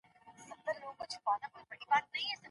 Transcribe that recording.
د بنسټ مشره د لیکوالانو ملاتړ کوي.